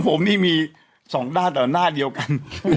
ผมนี่มี๒ด้านต่อหน้าเดียวกัน